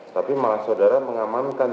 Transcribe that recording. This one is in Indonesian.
tapi malah saudara mengamankan